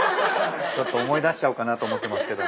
ちょっと思い出しちゃおうかなと思ってますけども。